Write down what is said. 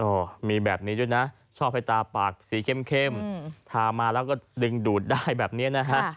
มีแบบนี้ด้วยนะชอบให้ตาปากสีเข้มทามาแล้วก็ดึงดูดได้แบบนี้นะฮะ